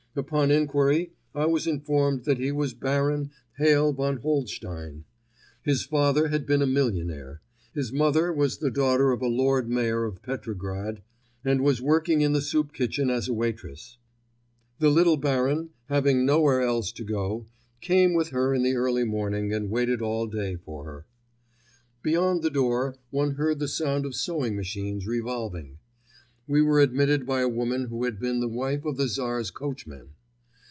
Upon enquiry I was informed that he was the Baron Hael Von Holdstein. His father had been a millionaire. His mother was the daughter of a Lord Mayor of Petrograd and was working in the soup kitchen as a waitress. The little Baron, having nowhere else to go, came with her in the early morning and waited all day for her. Beyond the door one heard the sound of sewing machines revolving. We were admitted by a woman who had been the wife of the Tsar's coachman.